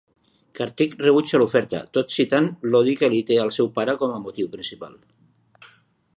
Karthik rebutja l'oferta, tot citant l'odi que li té el seu pare com a motiu principal.